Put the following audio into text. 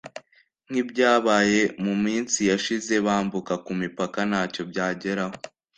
nk’ibyabaye mu minsi yashize bambuka ku mipaka… ntacyo byageraho